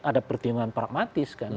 ada pertimbangan pragmatis kan